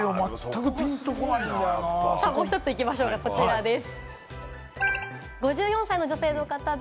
もう一つ行きましょう、こちらです。